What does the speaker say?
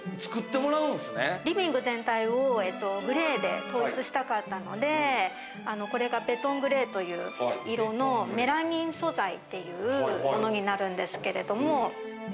リビング全体をグレーで統一したかったので、これがペトングレーという色のメラミン素材っていうものになるんですけれど。